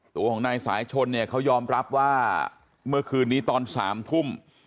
ตัวของนายสายชนเนี่ยเขายอมรับว่าเมื่อคืนนี้ตอน๓ทุ่ม